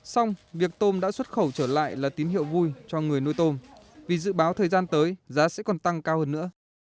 xong việc tôm đã xuất khẩu trở lại là tín hiệu vui cho người nuôi tôm vì dự báo thời gian tới giá sẽ còn tăng cao hơn nữa